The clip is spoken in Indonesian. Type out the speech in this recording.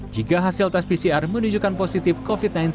jika hasil tes pcr menunjukkan positif covid sembilan belas